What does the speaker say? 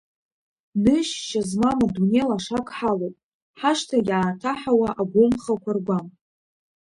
Ныжьшьа змам дунеи лашак ҳалоуп, ҳашҭа иааҭаҳауа Агәымхақәа ргәам.